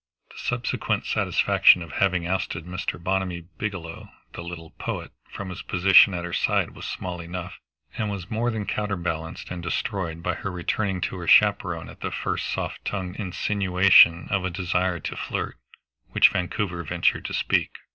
The subsequent satisfaction of having ousted Mr. Bonamy Biggielow, the little poet, from his position at her side was small enough, and was more than counterbalanced and destroyed by her returning to her chaperon at the first soft tongued insinuation of a desire to flirt, which Vancouver ventured to speak.